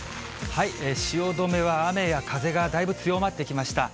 汐留は雨や風がだいぶ強まってきました。